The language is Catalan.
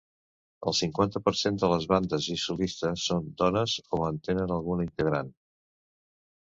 El cinquanta per cent de les bandes i solistes són dones o en tenen alguna integrant.